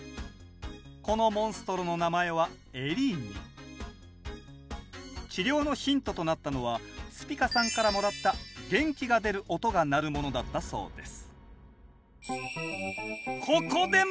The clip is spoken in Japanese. このモンストロの名前は治療のヒントとなったのはスピカさんからもらった「元気が出る音」が鳴るものだったそうです